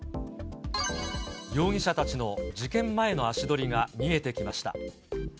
容疑者たちの事件前の足取りが見えてきました。